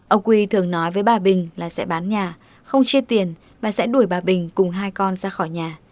ông h q thường nói với bà bình là sẽ bán nhà không chia tiền và sẽ đuổi bà bình cùng hai con ra khỏi nhà